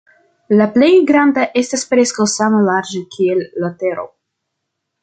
La plej granda estas preskaŭ same larĝa kiel la Tero.